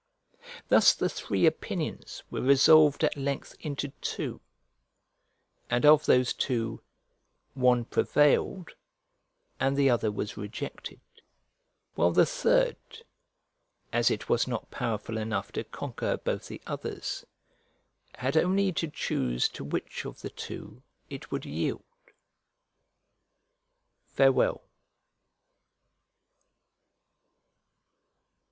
Thus the three opinions were resolved at length into two; and of those two, one prevailed, and the other was rejected; while the third, as it was not powerful enough to conquer both the others, had only to choose to which of the two it would yield. Farewell.